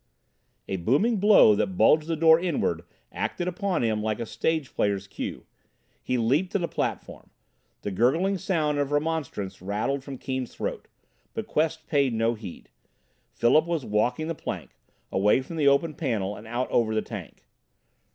A booming blow that bulged the door inward acted upon him like a stage player's cue. He leaped to the platform. The gurgling sound of remonstrance rattled from Keane's throat. But Quest paid no heed. Philip was walking the plank away from the open panel out over the tank.